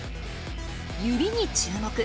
指に注目！